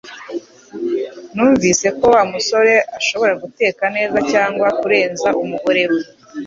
Numvise ko Wa musore ashobora guteka neza cyangwa kurenza umugore we